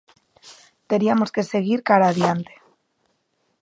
Teriamos que seguir cara a adiante.